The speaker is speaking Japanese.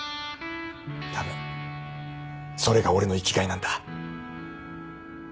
たぶんそれが俺の生きがいなんだ。